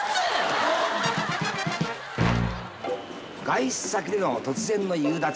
［外出先での突然の夕立。